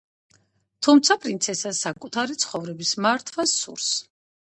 თუმცა პრინცესას საკუთარი ცხოვრების მართვა სურს.